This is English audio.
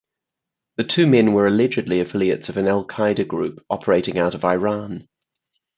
The two men were allegedly affiliates of an Al-Qaeda group operating out of Iran.